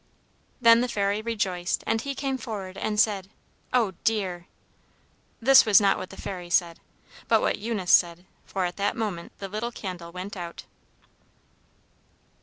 "Then the Fairy rejoiced, and he came forward and said Oh, dear!" This was not what the Fairy said, but what Eunice said; for at that moment the little candle went out.